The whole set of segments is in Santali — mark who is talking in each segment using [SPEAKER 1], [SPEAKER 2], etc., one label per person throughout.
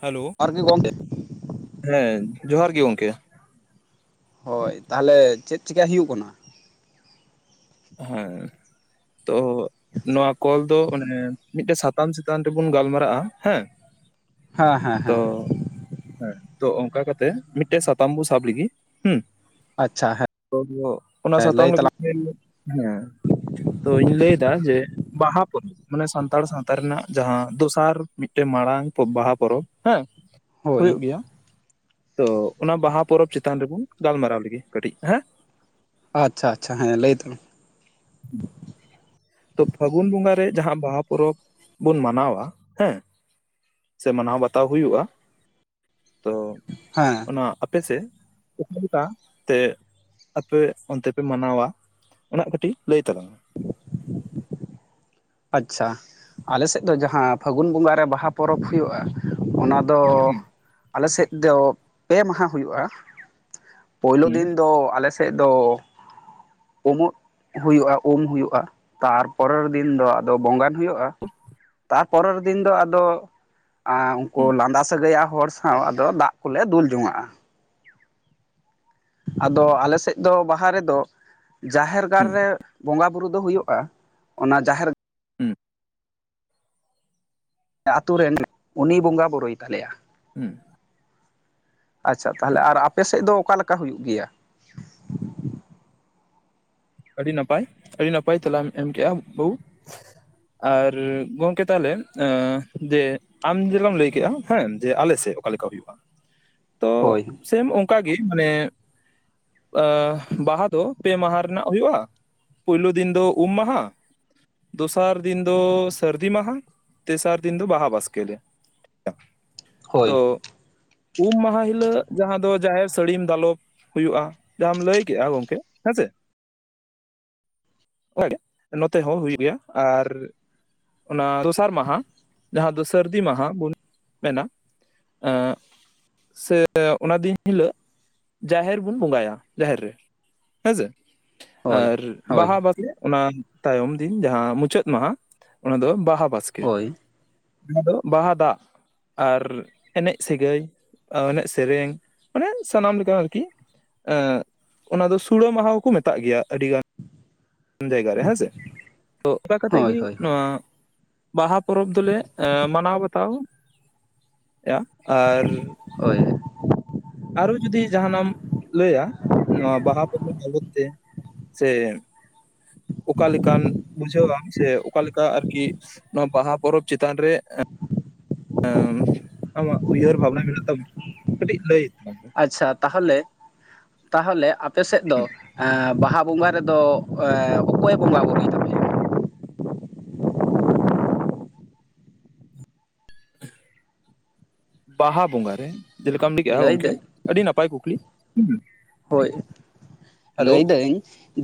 [SPEAKER 1] ᱦᱮᱞᱚ
[SPEAKER 2] ᱟᱨ ᱜᱮ ᱜᱚᱢᱠᱮ
[SPEAKER 1] ᱦᱮ ᱡᱚᱦᱟᱨ ᱜᱮ ᱜᱚᱢᱠᱮ
[SPEAKER 2] ᱦᱳᱭ ᱛᱟᱦᱚᱞᱮ ᱪᱮᱫ ᱪᱤᱠᱟ ᱦᱩᱭᱩᱜ ᱠᱟᱱᱟ?
[SPEAKER 1] ᱦᱮᱸ, ᱛᱚ ᱱᱚᱣᱟ ᱠᱚᱞ ᱫᱚ ᱚᱱᱮ ᱢᱤᱫᱴᱮᱱ ᱥᱟ ᱛᱟᱢ ᱪᱮᱛᱟᱱ ᱨᱮᱵᱚᱱ ᱜᱟᱞᱢᱟᱨᱟᱜ-ᱟ, ᱦᱮᱸ᱾
[SPEAKER 2] ᱦᱮᱸ ᱦᱮᱸ ᱦᱮᱸ᱾
[SPEAKER 1] ᱛᱚ ᱦᱮᱸ ᱛᱚ ᱚᱝᱠᱟ ᱠᱟᱛᱮ ᱢᱤᱫᱴᱮᱡ ᱥᱟᱛᱟᱢ ᱵᱩ ᱥᱟᱵ ᱞᱮᱜᱤ ᱦᱩᱸ,
[SPEAKER 2] ᱟᱪᱪᱷᱟ
[SPEAKER 1] [inaudible] ᱚᱱᱟ
[SPEAKER 2] ᱦᱮᱸ
[SPEAKER 1] ᱥᱟᱛᱟᱢ
[SPEAKER 2] ᱞᱟᱹᱭ
[SPEAKER 1] ᱞᱟᱹᱜᱤᱫ
[SPEAKER 2] ᱛᱟᱞᱟᱝ
[SPEAKER 1] ᱧᱮᱞ ᱦᱮᱸ᱾ ᱛᱚ ᱤᱧᱤᱧ ᱞᱟᱹᱭᱫᱟ ᱡᱮ ᱵᱟᱦᱟ ᱯᱚᱨᱚᱵᱽ, ᱢᱟᱱᱮ ᱥᱟᱱᱛᱟᱲ ᱥᱟᱶᱛᱟ ᱨᱮᱱᱟᱜ ᱡᱟᱦᱟᱸ ᱫᱚᱥᱟᱨ ᱢᱤᱫᱴᱮᱱ ᱢᱟᱨᱟᱝ ᱵᱟᱦᱟ ᱯᱚᱨᱚᱵᱽ ᱦᱮᱸ,
[SPEAKER 2] ᱦᱳᱭ
[SPEAKER 1] ᱦᱩᱭᱩᱜ ᱜᱮᱭᱟ, ᱛᱚ ᱚᱱᱟ ᱵᱟᱦᱟ ᱯᱚᱨᱚᱵᱽ ᱪᱮᱛᱟᱱ ᱨᱮᱵᱚᱱ ᱜᱟᱞᱢᱟᱨᱟᱣ ᱞᱮᱜᱮ ᱠᱟᱹᱴᱤᱡ ᱦᱮᱸ᱾
[SPEAKER 2] ᱟᱪᱪᱷᱟ ᱟᱪᱪᱷᱟ ᱦᱮᱸ ᱞᱟᱹᱭ [inaudible]
[SPEAKER 1] [inaudible] ᱛᱚ ᱯᱷᱟᱹᱜᱩᱱ ᱵᱚᱸᱜᱟ ᱨᱮ ᱡᱟᱦᱟᱸ ᱵᱟᱦᱟ ᱯᱚᱨᱚᱵᱽ ᱵᱚᱱ ᱢᱟᱱᱟᱣᱟ ᱦᱮᱸ, ᱥᱮ ᱢᱟᱱᱟᱣ ᱵᱟᱛᱟᱣ ᱦᱩᱭᱩᱜᱼᱟ, ᱛᱚ
[SPEAKER 2] ᱦᱮᱸ
[SPEAKER 1] ᱚᱱᱟ ᱟᱯᱮ ᱥᱮᱜ ᱚᱠᱟ ᱞᱮᱠᱟ ᱛᱮ ᱟᱯᱮ ᱚᱱᱛᱮ ᱯᱮ ᱢᱟᱱᱟᱣᱟ ᱚᱱᱟ ᱠᱟᱹᱴᱤᱡ ᱞᱟᱹᱭ ᱛᱟᱞᱟᱝ ᱢᱮ?
[SPEAKER 2] ᱟᱪᱪᱷᱟ, ᱟᱞᱮ ᱥᱮᱫ ᱫᱚ ᱡᱟᱦᱟᱸ ᱯᱷᱟᱹᱜᱩᱱ ᱵᱚᱸᱜᱟ ᱨᱮ ᱵᱟᱦᱟ ᱯᱚᱨᱚᱵᱽ ᱦᱩᱭᱩᱜᱼᱟ, ᱚᱱᱟ ᱫᱚ,
[SPEAKER 1] ᱦᱩᱸ
[SPEAKER 2] ᱟᱞᱮ ᱥᱮᱫ ᱫᱚ ᱯᱮ ᱢᱟᱦᱟ ᱦᱩᱭᱩᱜᱼᱟ᱾ ᱯᱳᱭᱞᱩ
[SPEAKER 1] ᱦᱩᱸ
[SPEAKER 2] ᱫᱤᱱ ᱫᱚ ᱟᱞᱮ ᱥᱮᱫ ᱫᱚ ᱩᱢᱩᱜ ᱦᱩᱭᱩᱜᱼᱟ ᱩᱢ ᱦᱩᱭᱩᱜᱼᱟ, ᱛᱟᱨᱯᱚᱨᱮᱨ ᱫᱤᱱ ᱫᱚ ᱟ ᱫᱚ ᱵᱚᱸᱜᱟᱱ ᱦᱩᱭᱩᱜᱼᱟ, ᱛᱟᱨᱯᱚᱨᱮᱨ ᱫᱤᱱ ᱫᱚ ᱟᱫᱚ ᱟᱨ ᱩᱱᱠᱩ
[SPEAKER 1] ᱦᱩᱸ
[SPEAKER 2] ᱞᱟᱸᱫᱟ ᱥᱟᱹᱜᱟᱹᱭᱟᱱ ᱦᱚᱲ ᱥᱟᱶ ᱟᱫᱚ ᱫᱟᱜ ᱠᱚᱞᱮ ᱫᱩᱞ ᱡᱚᱝᱟᱜᱼᱟ᱾ ᱟᱫᱚ ᱟᱞᱮ ᱥᱮᱫ ᱫᱚ ᱵᱟᱦᱟ ᱨᱮᱫᱚ, ᱡᱟᱦᱮᱨ ᱜᱟᱲ
[SPEAKER 1] ᱦᱩᱸ
[SPEAKER 2] ᱨᱮ ᱵᱚᱸᱜᱟ ᱵᱩᱨᱩ ᱫᱚ ᱦᱩᱭᱩᱜᱼᱟ, ᱚᱱᱟ ᱡᱟᱦᱮᱨ
[SPEAKER 1] ᱦᱩᱸ᱾
[SPEAKER 2] ᱟᱛᱳ ᱨᱮᱱ ᱩᱱᱤ ᱵᱚᱸᱜᱟ ᱵᱳᱨᱳᱭ ᱛᱟᱞᱮᱭᱟ᱾
[SPEAKER 1] ᱦᱩᱸ᱾
[SPEAKER 2] ᱟᱪᱪᱷᱟ ᱛᱟᱦᱚᱞᱮ ᱟᱨ ᱟᱯᱮ ᱥᱮᱫ ᱫᱚ ᱚᱠᱟ ᱞᱮᱠᱟ ᱦᱩᱭᱩᱜ ᱜᱮᱭᱟ?
[SPEAKER 1] ᱟᱹᱰᱤ ᱱᱟᱯᱟᱭ, ᱟᱹᱰᱤ ᱱᱟᱯᱟᱭ ᱛᱮᱞᱟᱢ ᱮᱢ ᱠᱮᱜᱼᱟ ᱵᱟᱹᱵᱩ᱾ ᱟᱨ ᱜᱚᱝᱠᱮ ᱛᱟᱦᱚᱞᱮ ᱮᱸ ᱫᱤᱭᱮ ᱟᱢ ᱡᱮᱞᱠᱟᱢ ᱞᱟᱹᱭ ᱠᱮᱜᱼᱟ ᱦᱮᱸ ᱡᱮ ᱟᱞᱮ ᱥᱮᱫ ᱚᱠᱟ ᱞᱮᱠᱟ ᱦᱩᱭᱩᱜᱼᱟ, ᱛᱚ
[SPEAKER 2] ᱦᱳᱭ
[SPEAKER 1] ᱥᱮᱢ ᱚᱝᱠᱟ ᱜᱮ ᱢᱟᱱᱮ, ᱵᱟᱦᱟ ᱫᱚ ᱯᱮ ᱢᱟᱦᱟ ᱨᱮᱱᱟᱜ ᱦᱩᱭᱩᱜᱼᱟ, ᱯᱩᱭᱞᱩ ᱫᱤᱱ ᱫᱚ ᱩᱢ ᱢᱟᱦᱟ, ᱫᱚᱥᱟᱨ ᱫᱤᱱ ᱫᱚ ᱥᱟᱹᱨᱫᱤ ᱢᱟᱦᱟ, ᱛᱮᱥᱟᱨ ᱫᱤᱱ ᱫᱚ ᱵᱟᱦᱟ ᱵᱟᱥᱠᱮ ᱟᱞᱮ᱾
[SPEAKER 2] ᱦᱳᱭ
[SPEAKER 1] ᱛᱚ, ᱩᱢ ᱢᱟᱦᱟ ᱦᱤᱞᱟᱹᱜ ᱡᱟᱦᱟᱸ ᱫᱚ ᱡᱟᱦᱮᱨ ᱥᱟᱹᱲᱤᱢ ᱫᱟᱞᱚᱵ ᱦᱩᱭᱩᱜᱼᱟ ᱞ, ᱡᱟᱦᱟᱸᱢ ᱞᱟᱹᱭ ᱠᱮᱜᱼᱟ ᱜᱚᱝᱠᱮ ᱦᱮᱸ ᱥᱮ, [inaudible] ᱜᱮ ᱱᱚᱛᱮ ᱦᱚᱸ ᱦᱩᱭᱩᱜ ᱜᱮᱭᱟ ᱟᱨ ᱚᱱᱟ ᱫᱚᱥᱟᱨ ᱢᱟᱦᱟ, ᱡᱟᱦᱟᱸ ᱫᱚ ᱥᱟᱹᱨᱫᱤ ᱢᱟᱦᱟ ᱵᱩᱱ ᱢᱮᱱᱟ, ᱮᱸ ᱥᱮ ᱚᱱᱟ ᱫᱤᱱ ᱦᱤᱞᱟᱹᱜ ᱡᱟᱦᱮᱨ ᱵᱚᱱ ᱵᱚᱸᱜᱟᱭᱟ, ᱡᱟᱦᱮᱨ ᱨᱮ ᱦᱮᱸ ᱥᱮ ᱾
[SPEAKER 2] ᱦᱳᱭ
[SPEAKER 1] ᱟᱨ
[SPEAKER 2] ᱦᱳᱭ
[SPEAKER 1] ᱵᱟᱦᱟ ᱵᱟᱥ ᱚᱱᱟ ᱛᱟᱭᱚᱢ ᱫᱤᱱ ᱡᱟᱦᱟᱸ ᱢᱩᱪᱟᱹᱫ ᱢᱟᱦᱟ ᱚᱱᱟ ᱫᱚ ᱵᱟᱦᱟ ᱵᱟᱥᱠ ᱾ ᱠᱮ
[SPEAKER 2] ᱦᱳᱭ
[SPEAKER 1] ᱡᱟᱦᱟᱸ ᱫᱚ ᱵᱟᱦᱟ ᱫᱟᱜ ᱟᱨ ᱮᱱᱮᱡ ᱥᱟᱹᱜᱟᱹᱭ, ᱮᱱᱮᱡ ᱥᱮᱨᱮᱧ ᱢᱟᱱᱮ ᱥᱟᱱᱟᱢ ᱞᱮᱠᱟ ᱟᱨᱠᱤ ᱾ ᱮᱸ ᱚᱱᱟ ᱫᱚ ᱥᱩᱲᱟᱹ ᱢᱟᱦᱟ ᱦᱚᱸᱠᱚ ᱢᱮᱛᱟᱜ ᱜᱮᱭᱟ ᱟᱹᱰᱤ ᱜᱟᱱ ᱡᱟᱭᱜᱟ ᱨᱮ ᱦᱮᱸᱥᱮ᱾ ᱛᱚ ᱚᱱᱠᱟ ᱠᱟᱛᱮ
[SPEAKER 2] ᱦᱳᱭ
[SPEAKER 1] ᱜᱮ
[SPEAKER 2] ᱦᱳᱭ ᱦᱳᱭ
[SPEAKER 1] ᱱᱚᱣᱟ ᱵᱟᱦᱟ ᱯᱚᱨᱚᱵᱽ ᱫᱚᱞᱮ ᱢᱟᱱᱟᱣ ᱵᱟᱛᱟᱣᱼᱭᱟ ᱟᱨ
[SPEAKER 2] ᱦᱚᱭ
[SPEAKER 1] ᱟᱨᱦᱚᱸ ᱡᱩᱫᱤ ᱡᱟᱦᱟᱱᱟᱜ ᱮᱢ ᱞᱟᱹᱭᱟ ᱱᱚᱣᱟ ᱵᱟᱦᱟ ᱯᱚᱨᱚᱵᱽ ᱵᱟᱵᱚᱛ ᱛᱮ ᱥᱮ ᱚᱠᱟ ᱞᱮᱠᱟᱢᱱ ᱵᱩᱡᱷᱟᱹᱣᱟᱢ ᱥᱮ ᱚᱠᱟ ᱞᱮᱠᱟ ᱟᱨᱠᱤ ᱠᱤ ᱱᱚᱣᱟ ᱵᱟᱦᱟ ᱯᱚᱨᱚᱵᱽ ᱪᱮᱛᱟᱱ ᱨᱮ ᱟᱢᱟᱜ ᱩᱭᱦᱟᱹᱨ ᱵᱷᱟᱵᱱᱟ ᱢᱮᱱᱟᱜ ᱛᱟᱢ ᱠᱟᱹᱴᱤᱡ ᱞᱟᱹᱭ ᱢᱮ ᱾ ᱛᱟᱞᱟᱝ
[SPEAKER 2] ᱟᱪᱪᱷᱟ ᱛᱟᱦᱚᱞᱮ ᱛᱟᱦᱚᱞᱮ ᱟᱯᱮ ᱥᱮᱫ ᱫᱚ
[SPEAKER 1] ᱦᱩᱸ
[SPEAKER 2] ᱵᱟᱦᱟ ᱵᱚᱸᱜᱟ ᱨᱮᱫᱚ ᱚᱠᱚᱭ ᱵᱚᱸᱜᱟ ᱵᱩᱨᱩᱭ? ᱛᱟᱯᱮᱭᱟ
[SPEAKER 1] ᱵᱟᱦᱟ ᱵᱚᱸᱜᱟ ᱨᱮ, ᱪᱮᱜ ᱞᱮᱠᱟᱢ ᱞᱟᱹᱭ ᱠᱮᱫᱮᱜᱼᱟ ᱜᱚᱝᱠᱮ?
[SPEAKER 2] ᱞᱟᱹᱭᱫᱟᱹᱧ
[SPEAKER 1] ᱟᱹᱰᱤ ᱱᱟᱯᱟᱭ ᱠᱩᱠᱞᱤ ᱾
[SPEAKER 2] ᱦᱚᱭ
[SPEAKER 1] ᱦᱮᱞᱳ
[SPEAKER 2] ᱞᱟᱹᱭ ᱫᱟᱹᱧ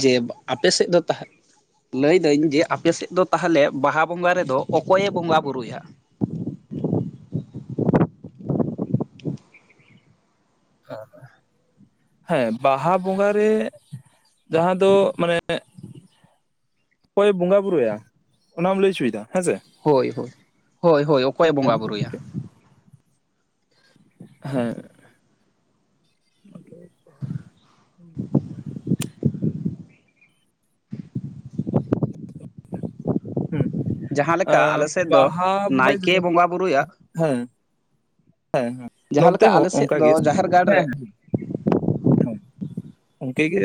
[SPEAKER 2] ᱡᱮ ᱟᱯᱮ ᱥᱮᱫ ᱫᱚ ᱛᱟᱦ ᱞᱟᱹᱭ ᱫᱟᱹᱧ ᱥᱮ ᱟᱯᱮᱥᱮᱫ ᱫᱚ ᱛᱟᱦᱚᱞᱮ ᱵᱟᱦᱟ ᱵᱚᱸᱜᱟ ᱨᱮᱫᱚ ᱚᱠᱚᱭ ᱮ ᱵᱚᱸᱜᱟ ᱵᱩᱨᱩᱭᱟ?
[SPEAKER 1] [unintelligible] ᱦᱮᱸ ᱵᱟᱦᱟ ᱵᱚᱸᱜᱟ ᱨᱮ ᱡᱟᱦᱟᱸ ᱫᱚ ᱢᱟᱱᱮ ᱚᱠᱚᱭ ᱮ ᱵᱚᱸᱜᱟ ᱵᱩᱨᱩᱭᱟ? ᱚᱱᱟᱢ ᱞᱟᱹᱭ ᱦᱚᱪᱚᱭᱮᱫᱟ ᱚᱱᱟᱢ ᱞᱟᱹᱭ ᱦᱚᱪᱚᱭᱮᱫᱟ ᱦᱮᱸᱥᱮ᱾
[SPEAKER 2] ᱦᱚᱭ ᱦᱚᱭ ᱦᱚᱭ ᱦᱚᱭ ᱚᱠᱚᱭᱮ ᱵᱚᱸᱜᱟ
[SPEAKER 1] ᱦᱮᱞᱳ,
[SPEAKER 2] ᱵᱩᱨᱩᱭᱟ?
[SPEAKER 1] ᱦᱮᱸ ᱦᱩᱸ
[SPEAKER 2] ᱡᱟᱦᱟᱸ
[SPEAKER 1] ᱟᱻ
[SPEAKER 2] ᱞᱮᱠᱟ ᱟᱞᱮ ᱥᱮᱫ ᱫᱚ
[SPEAKER 1] ᱵᱟᱦᱟ [unintelligible]
[SPEAKER 2] ᱱᱟᱭᱠᱮ ᱵᱚᱸᱜᱟ ᱵᱩᱨᱩᱭᱟ
[SPEAKER 1] ᱦᱮᱸ ᱦᱮᱸ ᱦᱮᱸ
[SPEAKER 2] ᱡᱟᱦᱟᱸ
[SPEAKER 1] ᱱᱚᱱᱛᱮ
[SPEAKER 2] ᱞᱮᱠᱟ
[SPEAKER 1] ᱦᱚᱸ
[SPEAKER 2] ᱟᱞᱮ ᱥᱮᱫ
[SPEAKER 1] ᱚᱱᱠᱟ ᱜᱮ
[SPEAKER 2] ᱫᱚ ᱡᱟᱦᱮᱨ ᱜᱟᱲ
[SPEAKER 1] ᱾
[SPEAKER 2] ᱨᱮ
[SPEAKER 1] ᱦᱮᱸ ᱦᱮᱸ ᱦᱮᱸ ᱚᱝᱠᱟ ᱜᱮ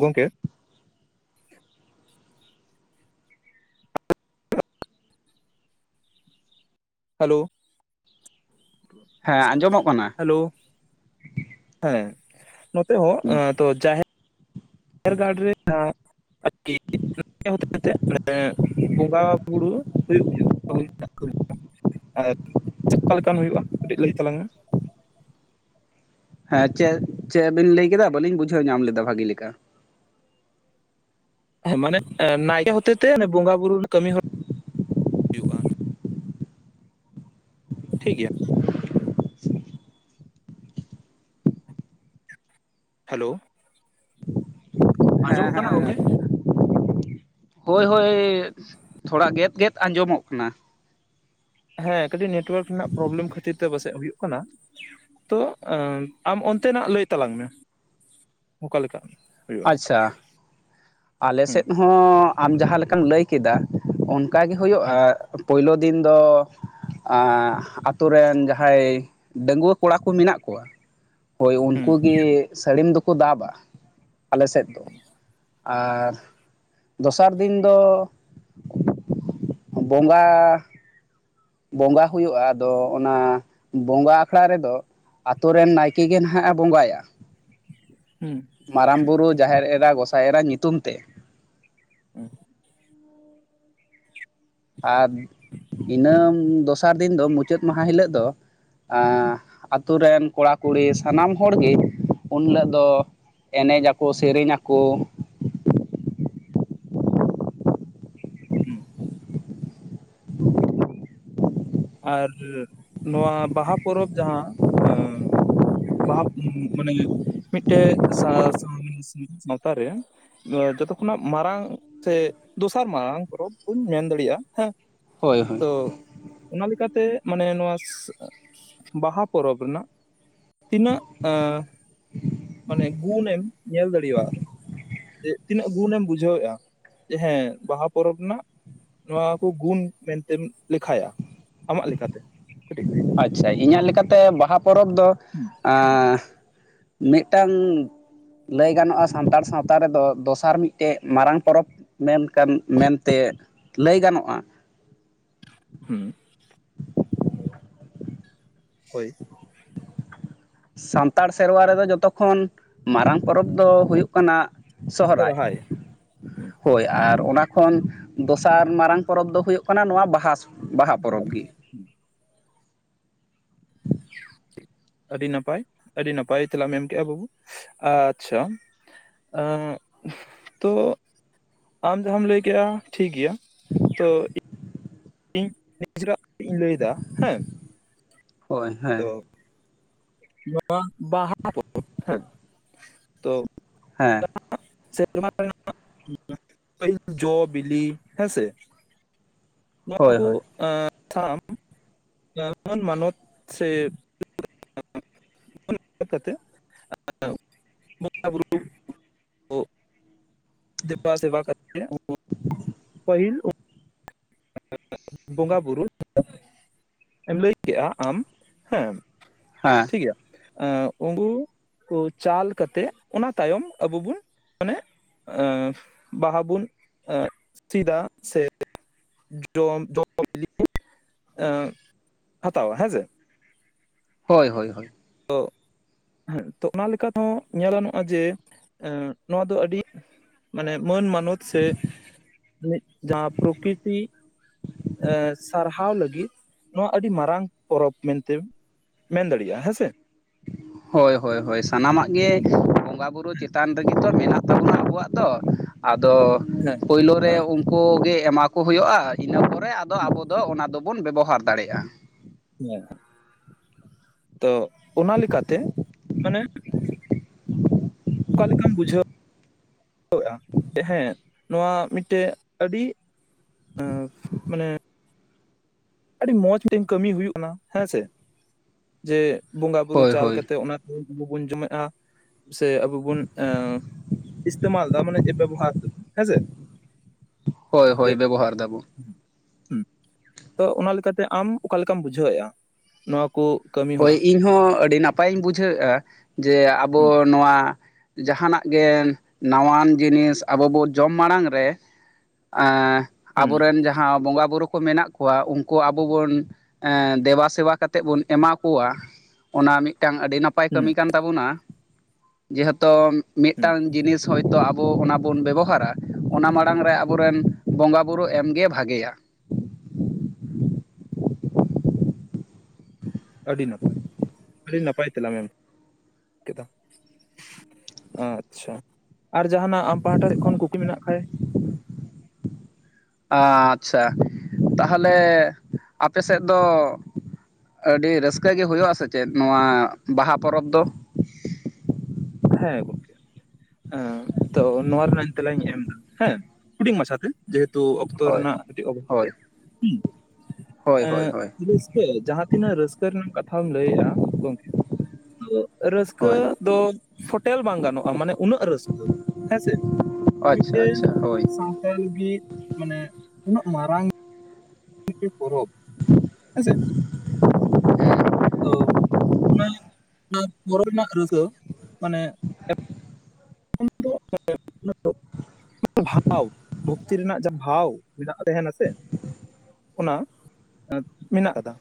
[SPEAKER 1] ᱜᱚᱝᱠᱮ ᱦᱮᱞᱳ᱾
[SPEAKER 2] ᱦᱮᱸ ᱟᱸᱡᱚᱢᱚᱜ ᱠᱟᱱᱟ
[SPEAKER 1] ᱦᱮᱞᱳ ᱦᱮᱸ ᱱᱚᱛᱮ ᱦᱚᱸ ᱮᱸ ᱛᱚ ᱡᱟᱦᱮᱟᱨ ᱜᱟᱨᱲ ᱨᱮ ᱟᱨᱠᱤ [unintelligible] ᱦᱚᱛᱮᱛᱮ ᱢᱟᱱᱮ ᱵᱚᱸᱜᱟ ᱵᱩᱨᱩ ᱦᱩᱭᱩᱜ ᱜᱮᱭᱟ᱾ [unintelligible] ᱟᱨ ᱪᱮᱫᱠᱟ ᱞᱮᱠᱟᱱ ᱦᱩᱭᱩᱜᱼᱟ ᱠᱟᱹᱴᱤᱡ ᱞᱟᱹᱭ ᱛᱟᱞᱟᱝ ᱢᱮ?
[SPEAKER 2] ᱦᱮᱸ ᱪᱮᱫ ᱪᱮᱫ ᱵᱤᱱ ᱞᱟᱹᱭ ᱠᱮᱫᱟ? ᱵᱟᱹᱞᱤᱧ ᱵᱩᱡᱷᱟᱹᱣ ᱧᱟᱢ ᱞᱮᱫᱟ ᱵᱷᱟᱜᱤ ᱞᱮᱠᱟ᱾
[SPEAKER 1] ᱦᱮᱸ ᱢᱟᱱᱮ ᱱᱟᱭᱠᱮ ᱦᱚᱛᱮ ᱛᱮ ᱵᱚᱸᱜᱟ ᱵᱩᱨᱩ ᱠᱟᱹᱢᱤ ᱦᱚᱨᱟ ᱦᱩᱭᱩᱜᱼᱟ᱾ ᱴᱷᱤᱠ ᱜᱮᱭᱟ᱾ ᱦᱮᱞᱳ ᱾
[SPEAKER 2] ᱦᱮᱸ
[SPEAKER 1] ᱟᱸᱡᱚᱢᱚᱜ ᱠᱟᱱᱟ ᱜᱚᱝᱠᱮ?
[SPEAKER 2] ᱦᱚᱭ ᱦᱚᱭ ᱛᱷᱚᱲᱟ ᱜᱮᱫ ᱜᱮᱫ ᱟᱸᱡᱚᱢᱚᱜ ᱠᱟᱱᱟ ᱾
[SPEAKER 1] ᱦᱮᱸ ᱠᱟᱹᱴᱤᱡ ᱱᱮᱴᱳᱣᱟᱨᱠ ᱨᱮᱭᱟᱜ ᱯᱨᱚᱵᱞᱮᱢ ᱠᱷᱟᱹᱛᱤᱨ ᱛᱮ ᱯᱟᱥᱮᱡ ᱦᱩᱭᱩᱜ ᱠᱟᱱᱟ᱾ ᱛᱚ ᱟᱢ ᱚᱱᱛᱮᱱᱟᱜ ᱞᱟᱹᱭ ᱛᱟᱞᱟᱝ ᱢᱮ ᱚᱠᱟᱞᱮᱠᱟ? ᱦᱩᱭᱩᱜᱼᱟ
[SPEAKER 2] ᱟᱪᱪᱷᱟ, ᱟᱞ
[SPEAKER 1] ᱦᱩᱸ
[SPEAKER 2] ᱥᱮᱫ ᱦᱚᱸ ᱟᱢ ᱡᱟᱦᱟᱸ ᱞᱮᱠᱟᱢ ᱞᱟᱹᱭ ᱠᱮᱫᱟ ᱚᱱᱠᱟ ᱜᱮ ᱦᱩᱭᱩᱜᱼᱟ ᱾ ᱯᱩᱭᱭᱞᱳ ᱫᱤᱱ ᱫᱚ ᱟᱛᱳ ᱨᱮᱱ ᱡᱟᱦᱟᱸᱭ ᱰᱟᱺᱟᱹᱜᱩᱣᱟᱹ ᱠᱚᱲᱟ ᱠᱚ ᱢᱮᱱᱟᱜ ᱠᱚᱣᱟ ᱾ ᱦᱳᱭ
[SPEAKER 1] ᱦᱩᱸ
[SPEAKER 2] ᱩᱱᱠᱩ ᱜᱮ ᱥᱟᱹᱲᱤᱢ ᱫᱚᱠᱚ ᱫᱟᱵᱟ, ᱟᱞᱮ ᱥᱮᱫ ᱫᱚ᱾ ᱟᱨ ᱫᱚᱥᱟᱨ ᱫᱤᱱ ᱫᱚ ᱵᱚᱸᱜᱟ ᱵᱚᱸᱜᱟ ᱦᱩᱭᱩᱜᱼᱟ ᱟᱫᱚ ᱚᱱᱟ ᱵᱚᱸᱜᱟ ᱟᱠᱷᱲᱟ ᱨᱮᱫᱚ ᱟᱛᱳ ᱨᱮᱱ ᱱᱟᱭᱠᱮ ᱜᱮ ᱱᱟᱦᱟᱜᱼ ᱮ ᱵᱚᱸᱜᱟᱭᱟ ᱾
[SPEAKER 1] ᱦᱮᱸ
[SPEAKER 2] ᱢᱟᱨᱟᱝ ᱵᱩᱨᱩ ᱡᱟᱦᱮᱨ ᱮᱨᱟ ᱜᱚᱸᱥᱟᱭ ᱮᱨᱟ ᱧᱩᱛᱩᱢ ᱛᱮ ᱾
[SPEAKER 1] [inaudible]
[SPEAKER 2] ᱟᱨ ᱤᱱᱟᱹᱢ ᱫᱚᱥᱟᱨ ᱫᱤᱱ ᱫᱚ ᱢᱩᱪᱟᱹᱫ ᱢᱟᱦᱟ ᱦᱤᱞᱳᱜ ᱫᱚ ᱟᱹ ᱟᱛᱳ ᱨᱮᱱ ᱠᱚᱲᱟ ᱠᱩᱲᱤ ᱥᱟᱱᱟᱢ ᱦᱚᱲᱜᱮ ᱩᱱᱦᱤᱞᱳᱜ ᱫᱚ ᱮᱱᱮᱡ ᱟᱠᱚ ᱥᱮᱨᱮᱧ ᱟᱠᱚ᱾
[SPEAKER 1] ᱦᱩᱸ᱾ ᱟᱨ ᱱᱚᱣᱟ ᱵᱟᱦᱟ ᱯᱚᱨᱚᱵᱽ ᱡᱟᱦᱟᱸ ᱵᱟᱦᱟ ᱢᱟᱱᱮ ᱢᱤᱫᱴᱮᱡ ᱥᱟᱶᱛᱟᱨᱮ ᱡᱚᱛᱚ ᱠᱷᱚᱱᱟᱜ ᱢᱟᱨᱟᱝ ᱥᱮ ᱫᱚᱥᱟᱨ ᱢᱟᱨᱟᱝ ᱯᱚᱨᱚᱵᱽ ᱵᱚᱱ ᱢᱮᱱ ᱫᱟᱲᱮᱭᱟᱜ-ᱟ ᱦᱮᱸ᱾
[SPEAKER 2] ᱦᱳᱭ ᱦᱳᱭ᱾
[SPEAKER 1] ᱛᱚ ᱚᱱᱟ ᱞᱮᱠᱟᱛᱮ ᱢᱟᱱᱮ ᱱᱚᱣᱟ ᱵᱟᱦᱟ ᱯᱚᱨᱚᱵᱽ ᱨᱮᱱᱟᱜ ᱛᱤᱱᱟᱹᱜ-ᱮᱸ ᱢᱟᱱᱮ ᱜᱩᱱᱮᱢ ᱧᱮᱞ ᱫᱟᱲᱮᱭᱟᱜ᱾ ᱛᱤᱱᱟᱹᱜ ᱜᱩᱱᱮᱢ ᱵᱩᱡᱷᱟᱹᱣᱮᱫ-ᱟ ᱡᱮ ᱦᱮᱸ ᱵᱟᱦᱟ ᱯᱚᱨᱚᱵᱽ ᱨᱮᱱᱟᱜ᱾ ᱱᱚᱣᱟ ᱠᱚ ᱜᱩᱱ ᱢᱮᱱᱛᱮᱢ ᱞᱮᱠᱷᱟᱭᱟ᱾ ᱟᱢᱟᱜ ᱞᱮᱠᱟᱛᱮ? ᱠᱟᱹᱴᱤᱡ ᱞᱟᱹᱭ ᱛᱟᱢ
[SPEAKER 2] ᱟᱪᱪᱷᱟ ᱤᱧᱟᱜ ᱞᱮᱠᱟᱛᱮ ᱵᱟᱦᱟ ᱯᱚᱨᱚᱵᱽ ᱫᱚ ᱮᱻ ᱢᱤᱫᱴᱟᱝ ᱞᱟᱹᱭ ᱜᱟᱱᱚᱜ-ᱟ ᱥᱟᱱᱛᱟᱲ ᱥᱟᱶᱛᱟ ᱨᱮᱫᱚ ᱫᱚᱥᱟᱨ ᱢᱤᱫᱴᱮᱡ ᱢᱟᱨᱟᱝ ᱯᱚᱨᱚᱵᱽ ᱢᱮᱱᱠᱷᱟᱱ ᱢᱮᱱᱛᱮ ᱞᱟᱹᱭ ᱜᱟᱱᱚᱜ-ᱟ᱾
[SPEAKER 1] ᱦᱩᱸ, ᱦᱳᱭ᱾
[SPEAKER 2] ᱥᱟᱱᱛᱟᱲ ᱥᱮᱨᱣᱟ ᱨᱮᱫᱚ ᱡᱚᱛᱚ ᱠᱷᱚᱱ ᱢᱟᱨᱟᱝ ᱯᱚᱨᱚᱵᱽ ᱫᱚ ᱦᱩᱭᱩᱜ ᱠᱟᱱᱟ᱾ ᱥᱚᱦᱨᱟᱭ
[SPEAKER 1] ᱥᱚᱨᱦᱟᱭ
[SPEAKER 2] ᱦᱳᱭ᱾ ᱟᱨ ᱚᱱᱟ ᱠᱷᱚᱱ ᱫᱚᱥᱟᱨ ᱢᱟᱨᱟᱝ ᱯᱚᱨᱚᱵᱽ ᱫᱚ ᱦᱩᱭᱩᱜ ᱠᱟᱱᱟ ᱱᱚᱣᱟ ᱵᱟᱦᱟ ᱵᱟᱦᱟ ᱯᱚᱨᱚᱵᱽ ᱜᱮ᱾
[SPEAKER 1] ᱟᱹᱰᱤ ᱱᱟᱯᱟᱭ ᱟᱹᱰᱤ ᱱᱟᱯᱟᱭ ᱛᱮᱞᱟᱢ ᱮᱢ ᱮᱢ ᱠᱮᱜ-ᱟ ᱵᱟᱹᱵᱩ ᱟᱪᱪᱷᱟ ᱟᱹᱜ ᱛᱚ ᱟᱢ ᱡᱟᱦᱟᱸᱢ ᱞᱟᱹᱭ ᱠᱮᱫ-ᱟ ᱴᱷᱤᱠ ᱜᱮᱭᱟ ᱛᱚ ᱤᱧ ᱱᱤᱡᱮᱨᱟᱜ ᱠᱟᱹᱴᱤᱡ ᱤᱧ ᱞᱟᱹᱭ ᱮᱫᱟ ᱦᱮᱸ᱾
[SPEAKER 2] ᱦᱳᱭ
[SPEAKER 1] ᱛᱚ
[SPEAKER 2] ᱦᱮᱸ᱾
[SPEAKER 1] ᱱᱚᱣᱟ ᱵᱟᱦᱟ ᱯᱚᱨᱚᱵ ᱦᱮ ᱛᱚ
[SPEAKER 2] ᱦᱮᱸ,
[SPEAKER 1] ᱥᱮᱨᱢᱟ ᱨᱮᱱᱟᱜ [unintelligible] ᱡᱚ ᱵᱤᱞᱤ ᱦᱮᱸᱥᱮ᱾ ᱱᱚᱣᱟ
[SPEAKER 2] ᱦᱳᱭ
[SPEAKER 1] ᱠᱚ
[SPEAKER 2] ᱦᱳᱭ
[SPEAKER 1] ᱮ ᱥᱟᱶ [unintelligible] ᱢᱟᱱᱚᱛ ᱥᱮ [unintelligible] ᱠᱟᱛᱮᱫ ᱵᱚᱸᱜᱟ ᱵᱩᱨᱩ ᱠᱚ ᱫᱮᱵᱟ ᱥᱮᱵᱟ ᱠᱟᱛᱮ ᱯᱟᱹᱦᱤᱞ ᱵᱚᱸᱜᱟ ᱵᱩᱨᱩ᱾ ᱮᱢ ᱞᱟᱹᱭ ᱠᱮᱫ-ᱟ ᱟᱢ ᱦᱮᱸ᱾
[SPEAKER 2] ᱦᱮᱸ᱾
[SPEAKER 1] ᱴᱷᱤᱠ ᱜᱮᱭᱟ ᱮ ᱩᱝᱠᱩ ᱠᱩ ᱪᱟᱞ ᱠᱟᱛᱮᱫ ᱚᱱᱟ ᱛᱟᱭᱚᱢ ᱟᱵᱚ ᱵᱩᱱ ᱢᱟᱱᱮ ᱮ ᱵᱟᱦᱟ ᱵᱚᱱ ᱥᱤᱫᱟ ᱥᱮ ᱡᱚᱢ ᱠᱚ ᱵᱤᱞᱤ ᱮ ᱦᱟᱛᱟᱣᱟ ᱦᱮᱸᱥᱮ᱾
[SPEAKER 2] ᱦᱳᱭ ᱦᱳᱭ ᱦᱳᱭ᱾
[SPEAKER 1] ᱛᱚᱸ ᱛᱚ ᱚᱱᱟ ᱞᱮᱠᱟ ᱛᱮᱦᱚᱸ ᱧᱮᱞ ᱜᱟᱱᱚᱜ-ᱟ ᱡᱮ ᱱᱚᱣᱟ ᱫᱚ ᱟᱹᱰᱤ ᱢᱟᱱᱮ ᱢᱟᱹᱱ ᱢᱟᱱᱚᱛ ᱥᱮ ᱡᱟᱦᱟᱸ ᱯᱨᱚᱠᱤᱛᱤ ᱮ ᱥᱟᱨᱦᱟᱣ ᱞᱟᱹᱜᱤᱫ ᱱᱚᱣᱟ ᱟᱹᱰᱤ ᱢᱟᱨᱟᱝ ᱯᱚᱨᱚᱵᱽ ᱢᱮᱱᱛᱮᱢ ᱢᱮᱱ ᱫᱟᱲᱮᱭᱟᱜ-ᱟ ᱦᱮᱸᱥᱮ᱾
[SPEAKER 2] ᱦᱳᱭ ᱦᱳᱭ ᱦᱳᱭ ᱥᱟᱱᱟᱢᱟᱜ ᱜᱮ
[SPEAKER 1] ᱦᱮᱸ
[SPEAKER 2] ᱵᱚᱸᱜᱟ ᱵᱩᱨᱩ ᱪᱮᱛᱟᱱ ᱨᱮᱜᱮᱛᱚ ᱢᱮᱱᱟᱜ ᱛᱟᱵᱚᱱᱟ ᱟᱵᱚᱣᱟᱜ ᱫᱚ ᱟᱫᱚ
[SPEAKER 1] ᱦᱮᱸ
[SPEAKER 2] ᱯᱳᱭᱞᱳ ᱨᱮ
[SPEAKER 1] ᱦᱮᱸ
[SPEAKER 2] ᱩᱱ ᱠᱚᱜᱮ ᱮᱢᱟ ᱠᱚ ᱦᱩᱭᱩᱜ-ᱟ ᱤᱱᱟᱹ ᱯᱚᱨᱮ ᱟᱫᱚ
[SPEAKER 1] ᱦᱮᱸ
[SPEAKER 2] ᱟᱵᱚ ᱫᱚ ᱚᱱᱟ ᱫᱚ ᱵᱚᱱ ᱵᱮᱵᱚᱦᱟᱨ ᱫᱟᱲᱮᱭᱟᱜ-ᱟ᱾
[SPEAKER 1] ᱦᱮᱸ ᱛᱚ ᱚᱱᱟ ᱞᱮᱠᱟᱛᱮ ᱢᱟᱱᱮ᱾ ᱚᱠᱟ ᱞᱮᱠᱟᱢ ᱵᱩᱡᱷᱟᱹᱣ [unintelligible] ᱵᱩᱡᱷᱟᱹᱣᱮᱜ-ᱟ ᱡᱮ ᱦᱮᱸᱼᱼ ᱱᱚᱣᱟ ᱢᱤᱫ ᱴᱮᱡ ᱟᱹᱰᱤ ᱢᱟᱱᱮᱼᱼ ᱟᱹᱰᱤ ᱢᱚᱸᱡᱽ ᱢᱤᱫ ᱴᱮᱱ ᱠᱟᱹᱢᱤ ᱦᱩᱭᱩᱜ ᱠᱟᱱᱟ ᱦᱮᱸ ᱥᱮ ᱡᱮ ᱵᱚᱸᱜᱟ ᱵᱩᱨᱩ
[SPEAKER 2] ᱦᱳᱭ
[SPEAKER 1] ᱪᱟᱞ
[SPEAKER 2] ᱦᱳᱭ
[SPEAKER 1] ᱠᱟᱛᱮ ᱚᱱᱟᱼᱼ [unintelligible] ᱡᱚᱢᱮᱜ-ᱟ ᱥᱮ ᱟᱵᱚ ᱵᱩᱱ ᱮᱸᱻ ᱤᱥᱛᱮᱢᱟᱞ ᱫᱟ ᱢᱟᱱᱮ ᱵᱮᱵᱚᱦᱟᱨ ᱫᱚ ᱦᱮᱸ ᱥᱮ᱾
[SPEAKER 2] ᱦᱳᱭ-ᱦᱳᱭ ᱵᱮᱵᱚᱦᱟᱨ ᱫᱟ ᱵᱚᱼᱼ
[SPEAKER 1] ᱛᱚ ᱚᱱᱟ ᱞᱮᱠᱟᱛᱮ ᱟᱢ ᱚᱠᱟ ᱞᱮᱠᱟᱢ ᱵᱩᱡᱷᱟᱹᱣᱮᱜ-ᱟ? ᱱᱚᱣᱟ ᱠᱩᱼᱼ
[SPEAKER 2] ᱦᱳᱭ ᱤᱧᱦᱚᱸ ᱟᱹᱰᱤ ᱱᱟᱯᱟᱭᱤᱧ ᱵᱩᱡᱷᱟᱹᱣᱮᱜ-ᱟ ᱡᱮ ᱟᱵᱚ
[SPEAKER 1] ᱦᱩᱸ
[SPEAKER 2] ᱱᱚᱣᱟᱼᱼ ᱡᱟᱦᱟᱸᱱᱟᱜ ᱜᱮ ᱱᱟᱣᱟᱱ ᱡᱤᱱᱤᱥ ᱟᱵᱚ ᱵᱚ ᱡᱚᱢ ᱢᱟᱲᱟᱝ ᱨᱮᱼᱼ
[SPEAKER 1] ᱦᱩᱸ
[SPEAKER 2] ᱟᱵᱚᱨᱮᱱ ᱡᱟᱦᱟᱸᱼᱼ ᱡᱟᱦᱟᱸ ᱵᱚᱸᱜᱟ ᱵᱩᱨᱩ ᱠᱚ ᱢᱮᱱᱟᱜ ᱠᱚᱣᱟ ᱩᱱᱠᱩ ᱟᱵᱚ ᱵᱚᱱ ᱫᱮᱵᱟ ᱥᱮᱵᱟ ᱠᱟᱛᱮᱫ ᱵᱚᱱ ᱮᱢᱟᱼᱼ ᱠᱚᱣᱟᱜ ᱚᱱᱟ ᱢᱤᱫ ᱴᱟᱝ ᱟᱹᱰᱤ ᱱᱟᱯᱟᱭ
[SPEAKER 1] ᱦᱩᱸ
[SPEAKER 2] ᱠᱟᱹᱢᱤ ᱠᱟᱱ ᱛᱟᱵᱚᱱᱟ᱾ ᱡᱮᱦᱮᱛᱚᱼᱼ ᱢᱤᱫ
[SPEAKER 1] ᱦᱩᱸ
[SPEAKER 2] ᱴᱟᱝ ᱡᱤᱱᱤᱥᱼᱼ ᱦᱳᱭ ᱛᱚ ᱟᱵᱚ ᱚᱱᱟ ᱵᱚᱱ ᱵᱮᱵᱚᱦᱟᱨᱟ ᱚᱱᱟ ᱢᱟᱲᱟᱝ ᱨᱮ ᱟᱵᱚ ᱨᱮᱱ ᱵᱚᱸᱜᱟ ᱵᱳᱨᱳ ᱮᱢᱜᱮ ᱵᱷᱟᱜᱮᱭᱟ᱾
[SPEAKER 1] ᱟᱹᱰᱤ ᱱᱟᱯᱟᱭ ᱟᱹᱰᱤ ᱱᱟᱯᱟᱭ ᱛᱮᱞᱟᱝ ᱮᱢ [unintelligible] ᱟᱪᱪᱷᱟ ᱟᱨ ᱡᱟᱦᱟᱱᱟᱜ ᱟᱢ ᱯᱟᱦᱴᱟ ᱥᱮᱫ ᱠᱷᱚᱱ ᱠᱩᱠᱤ ᱢᱮᱱᱟᱜ ᱠᱷᱟᱭᱼᱼ
[SPEAKER 2] ᱟᱸᱪᱪᱷᱟ ᱛᱟᱦᱚᱞᱮ ᱟᱯᱮ ᱥᱮᱫ ᱫᱚ ᱟᱹᱰᱤ ᱨᱟᱹᱥᱠᱟᱹ ᱜᱮ ᱦᱳᱭᱳᱜ-ᱟ ᱥᱮ ᱪᱮᱫ ᱱᱚᱣᱟ ᱵᱟᱦᱟ ᱯᱚᱨᱚᱵᱽ ᱫᱚ?
[SPEAKER 1] ᱦᱮᱸ ᱜᱚᱢᱠᱮ᱾ ᱮᱸ ᱛᱚ ᱱᱚᱣᱟ ᱨᱮᱱᱟᱜ ᱛᱮᱞᱟᱧ ᱮᱢ ᱫᱟ ᱦᱮᱸ ᱦᱩᱰᱤᱧ ᱢᱟᱪᱷᱟ ᱛᱮᱼᱼ ᱡᱮᱦᱮᱛᱩ ᱚᱠᱛᱚ
[SPEAKER 2] ᱦᱳᱭ
[SPEAKER 1] ᱨᱮᱱᱟᱜ ᱠᱟᱹᱴᱤᱡ ᱚᱵᱷᱟᱵ ᱛᱮ
[SPEAKER 2] ᱦᱳᱭ
[SPEAKER 1] ᱦᱩᱸ,
[SPEAKER 2] ᱦᱳᱭ ᱦᱳᱭ ᱦᱳᱭ
[SPEAKER 1] ᱡᱟᱦᱟᱸ ᱛᱤᱱᱟᱹᱜ ᱨᱟᱹᱥᱠᱟᱹ ᱨᱮᱱᱟᱜ ᱠᱟᱛᱷᱟᱢ ᱞᱟᱹᱭᱮᱜ-ᱟ ᱜᱚᱝᱠᱮ ᱛᱚᱼᱼ ᱨᱟᱹᱥᱠᱟᱹ
[SPEAKER 2] ᱦᱳᱭ
[SPEAKER 1] ᱫᱚᱼᱼ ᱯᱷᱚᱴᱮᱞ ᱵᱟᱝ ᱜᱟᱱᱚᱜ-ᱟ ᱢᱟᱱᱮ ᱩᱱᱟᱹᱜ ᱨᱟᱹᱥᱠᱟᱹ ᱦᱮᱸᱥᱮ
[SPEAKER 2] ᱟᱪᱪᱷᱟ
[SPEAKER 1] ᱢᱤᱫᱴᱮᱱᱼᱼ
[SPEAKER 2] ᱟᱪᱪᱷᱟ ᱦᱳᱭ
[SPEAKER 1] [inaudible] ᱢᱟᱱᱮ ᱩᱱᱟᱹᱜ ᱢᱟᱨᱟᱝᱼᱼ [inaudible] ᱯᱚᱨᱚᱵ ᱦᱮᱸ ᱥᱮ᱾ ᱛᱚ ᱚᱱᱮ [inaudible] ᱯᱚᱨᱚᱵ ᱨᱮᱱᱟᱜ ᱨᱟᱹᱥᱠᱟᱹ ᱢᱟᱱᱮᱼᱼ [inaudible] [inaudible] ᱵᱷᱚᱠᱛᱤ ᱨᱮᱱᱟᱜ ᱡᱟᱦᱟᱸ ᱵᱷᱟᱣ ᱢᱮᱱᱟᱜ ᱛᱟᱦᱮᱸᱱᱟ ᱥᱮ᱾ ᱚᱱᱟ ᱢᱮᱱᱟᱜ ᱠᱟᱫᱟ᱾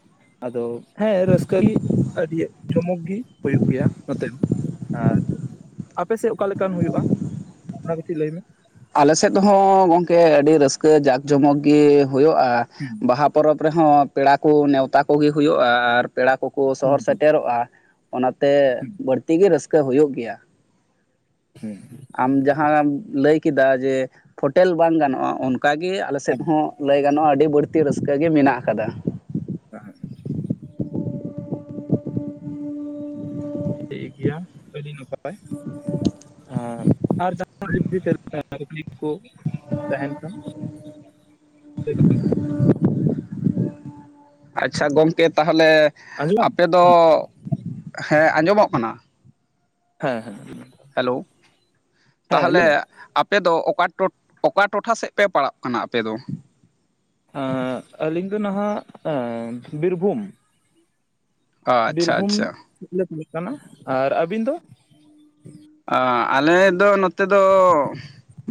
[SPEAKER 1] ᱟᱫᱚ ᱦᱮᱸ ᱨᱟᱹᱥᱠᱟᱹᱜ ᱜᱮ ᱟᱹᱰᱤ ᱡᱚᱢᱚᱠ ᱜᱮ ᱦᱩᱭᱩᱜ ᱜᱮᱭᱟ ᱱᱚᱛᱮ ᱦᱚᱸᱼᱼ ᱟᱨ ᱟᱯᱮ ᱥᱮᱫ ᱚᱠᱟᱞᱮᱠᱟᱱ ᱦᱩᱭᱩᱜ-ᱟ ᱚᱱᱟ ᱠᱟᱹᱴᱤᱡ ᱞᱟᱹᱭ ᱢᱮ?
[SPEAKER 2] ᱟᱞᱮᱥᱮᱫ ᱦᱚᱸ ᱜᱚᱢᱠᱮ ᱟᱹᱰᱤ ᱨᱟᱹᱥᱠᱟᱹ ᱡᱟᱠ ᱡᱚᱢᱚᱠ ᱜᱮ ᱦᱳᱭᱳᱜ-ᱟ᱾
[SPEAKER 1] ᱦᱩᱸ
[SPEAKER 2] ᱵᱟᱦᱟ ᱯᱚᱨᱚᱵᱽ ᱨᱮᱦᱚᱸ ᱯᱮᱲᱟ ᱠᱚ ᱱᱮᱣᱛᱟ ᱠᱚᱜᱮ ᱦᱩᱭᱩᱜ-ᱟ ᱟᱨ ᱯᱮᱲᱟ ᱠᱚᱠᱚ
[SPEAKER 1] ᱦᱩᱸ
[SPEAKER 2] ᱥᱚᱦᱚᱨ
[SPEAKER 1] ᱦᱩᱸ
[SPEAKER 2] ᱥᱮᱴᱮᱨᱚᱜ-ᱟ᱾ ᱚᱱᱟᱛᱮ ᱵᱟᱹᱲᱛᱤ ᱜᱮ ᱨᱟᱹᱥᱠᱟᱹ ᱦᱳᱭᱩᱜ ᱜᱮᱭᱟ᱾
[SPEAKER 1] ᱦᱩᱸ
[SPEAKER 2] ᱟᱢ ᱡᱟᱦᱟᱸᱢ ᱞᱟᱹᱭ ᱠᱮᱫᱟ ᱡᱮ ᱯᱷᱳᱴᱮᱞ ᱵᱟᱝ ᱜᱟᱱᱚᱜ-ᱟ ᱚᱱᱠᱟᱜᱮ ᱟᱞᱮ ᱥᱮᱫ
[SPEAKER 1] ᱦᱩᱸ
[SPEAKER 2] ᱦᱚᱸᱼᱼ ᱞᱟᱹᱭ ᱜᱟᱱᱚᱜ-ᱟ ᱟᱹᱰᱤ ᱵᱟᱹᱲᱛᱤ ᱨᱟᱹᱥᱠᱟᱹ ᱜᱮ ᱢᱮᱱᱟᱜ ᱠᱟᱫᱟ᱾
[SPEAKER 1] [inaudible] ᱴᱷᱤᱠ ᱜᱮᱭᱟ ᱟᱹᱰᱤ ᱱᱟᱯᱟᱭ᱾ ᱦᱮ ᱟᱨ ᱡᱟᱦᱟᱜ ᱠᱚ [inaudible] ᱛᱟᱦᱮᱸᱱ ᱠᱷᱟᱱ᱾ [inaudible]
[SPEAKER 2] ᱟᱪᱪᱷᱟ ᱜᱚᱢᱠᱮ ᱛᱟᱦᱞᱮ
[SPEAKER 1] ᱟᱸᱡᱚᱢ
[SPEAKER 2] ᱟᱯᱮ ᱫᱚ ᱦᱮᱸ ᱟᱸᱡᱚᱢᱚᱜ ᱠᱟᱱᱟ?
[SPEAKER 1] ᱦᱮᱸ-ᱦᱮᱸ ᱦᱩᱸ
[SPEAKER 2] ᱦᱮᱞᱳ ᱛᱟᱦᱞᱮ ᱟᱯᱼᱼ ᱟᱯᱮᱫᱚ ᱚᱠᱟ ᱴᱚᱴ ᱚᱠᱟ ᱴᱚᱴᱷᱟ ᱥᱮᱫ ᱯᱮ ᱯᱟᱲᱟᱜ ᱠᱟᱱᱟ ᱟᱯᱮ ᱫᱚ?
[SPEAKER 1] ᱟᱸᱻ ᱟᱹᱞᱤᱧ ᱫᱚ ᱱᱷᱟᱜ ᱵᱤᱨᱵᱷᱩᱢ,
[SPEAKER 2] ᱟᱪᱪᱷᱟ
[SPEAKER 1] ᱵᱤᱨᱵᱷᱩᱢ
[SPEAKER 2] ᱟᱪᱪᱷᱟ
[SPEAKER 1] [inaudible] ᱠᱟᱱᱟ᱾ᱟᱨ ᱟᱹᱵᱤᱱ ᱫᱚ?
[SPEAKER 2] ᱟᱞᱮᱫ ᱫᱚ ᱱᱚᱛᱮ ᱫᱚ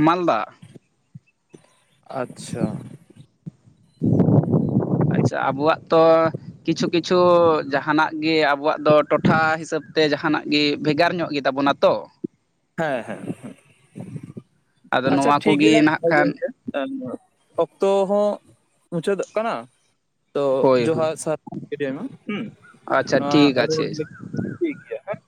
[SPEAKER 2] ᱢᱟᱞᱫᱟ᱾
[SPEAKER 1] ᱟᱪᱪᱷᱟ᱾ [inaudible]
[SPEAKER 2] ᱟᱪᱪᱷᱟ ᱟᱵᱚᱣᱟᱜ ᱛᱚ ᱠᱤᱪᱷᱩ ᱠᱤᱪᱷᱩ ᱡᱟᱦᱟᱱᱟᱜ ᱜᱮ ᱟᱵᱚᱣᱟᱜ ᱫᱚ ᱴᱚᱴᱷᱟ ᱦᱤᱥᱟᱹᱵ ᱛᱮ ᱡᱟᱦᱟᱱᱟᱜ ᱜᱮ ᱵᱷᱮᱜᱟᱨ ᱧᱚᱜ ᱜᱮ ᱛᱟᱵᱚᱱᱟ ᱛᱚ᱾
[SPEAKER 1] ᱦᱮᱸ ᱦᱮᱸ
[SPEAKER 2] ᱟᱫᱚ
[SPEAKER 1] ᱟᱪᱪᱷᱟ
[SPEAKER 2] ᱱᱚᱣᱟ
[SPEAKER 1] ᱴᱷᱤᱠᱜᱮᱭᱟ,
[SPEAKER 2] ᱠᱚᱜᱮ ᱱᱟᱜ
[SPEAKER 1] ᱦᱳᱭ
[SPEAKER 2] ᱠᱷᱟᱱ
[SPEAKER 1] ᱜᱚᱝᱠᱮ᱾ ᱚᱠᱛᱚ ᱦᱚᱸ ᱢᱩᱪᱟᱹᱫᱚᱜ ᱠᱟᱱᱟ᱾ ᱛᱚ,
[SPEAKER 2] ᱦᱳᱭ ᱦᱳᱭ
[SPEAKER 1] ᱡᱚᱦᱟᱨ ᱟᱨ ᱥᱟᱨᱦᱟᱣ ᱛᱟᱸᱦᱮᱭᱮᱱᱟ ᱦᱩᱸ,
[SPEAKER 2] ᱟᱪᱪᱷᱟ ᱴᱷᱤᱠ ᱟᱪᱷᱮ
[SPEAKER 1] [unintelligible] ᱴᱷᱤᱠ ᱜᱮᱭᱟ ᱦᱮᱸ